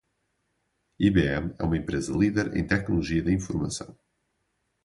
IBM é uma empresa líder em tecnologia da informação.